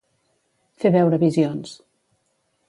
Fer veure visions.